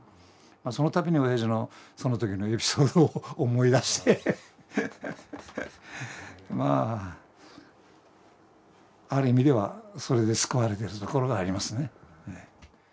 そのたびに親父のその時のエピソードを思い出してある意味ではそれで救われているところがありますね。